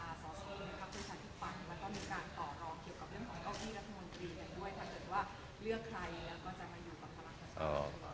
มันก็มีการต่อรองเกี่ยวกับเรื่องของเก้าที่รัฐมนตรี